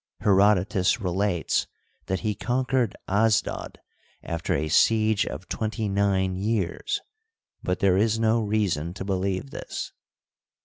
Herodotus relates that he conquered Asdod sifter a siege of twenty nine years, but there is no reason to believe this.